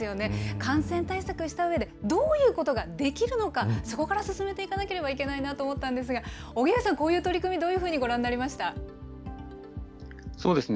感染対策したうえでどういうことができるのか、そこから進めていかなければいけないなと思ったんですが、荻上さん、こういう取り組み、どういうふうにご覧になりそうですね。